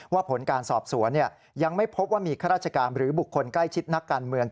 ผลการสอบสวนยังไม่พบว่ามีข้าราชการหรือบุคคลใกล้ชิดนักการเมือง